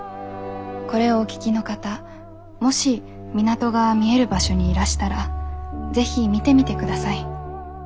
これをお聴きの方もし港が見える場所にいらしたら是非見てみてください。